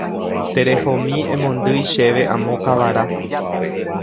Terehomi emondýi chéve amo kavara.